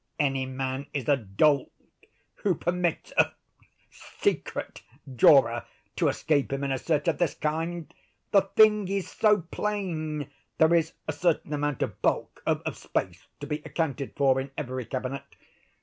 Any man is a dolt who permits a 'secret' drawer to escape him in a search of this kind. The thing is so plain. There is a certain amount of bulk—of space—to be accounted for in every cabinet.